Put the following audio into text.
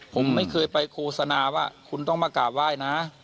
ผมไม่เคยไปโฆษณาว่าคุณต้องมากราบไหว้นะ